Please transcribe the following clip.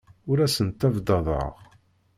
Ur asen-ttabdadeɣ.